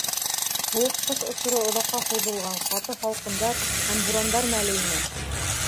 Һыуыҡ ҡыш осоро, оҙаҡҡа һуҙылған ҡаты һалҡындар һәм бурандар мәле ине.